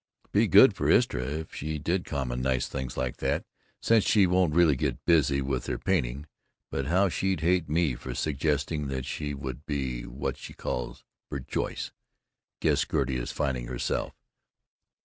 Be good for Istra if she did common nice things like that, since she won't really get busy with her painting, but how she'd hate me for suggesting that she be what she calls "burjoice." Guess Gertie is finding herself.